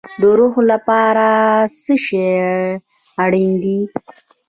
د روح لپاره څه شی اړین دی؟